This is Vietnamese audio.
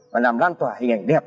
mà làm lan tỏa hình ảnh đẹp